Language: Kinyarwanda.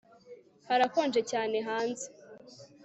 Harakonje cyane hanze